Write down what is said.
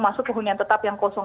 masuk ke hunian tetap yang kosong